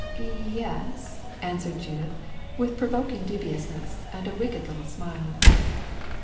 "Y e s," answered Judith, with provoking dubiousness and a wicked little smile.